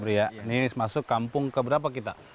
ini masuk kampung ke berapa kita